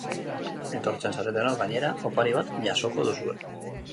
Etortzen zaretenok, gainera, opari bat jasoko duzue!